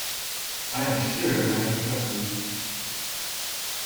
I am sure that I can trust you.